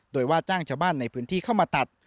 โดยว่าจ้างชาวบ้านในพื้นที่เข้ามาตัด